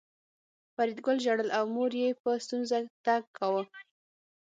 فریدګل ژړل او مور یې په ستونزه تګ کاوه